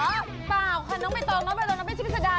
เปล่าค่ะน้องภิตรองนับผิดสดาน